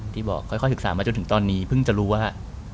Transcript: ที่บอกค่อยศึกษามาจนพึ่งจะรู้ว่า